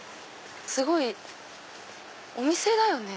すごいお店だよね？